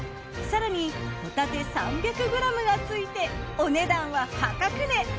更にホタテ３００ｇがついてお値段は破格値！